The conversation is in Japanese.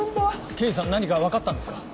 刑事さん何か分かったんですか？